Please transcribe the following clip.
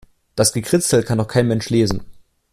Das Gekritzel kann doch kein Mensch lesen.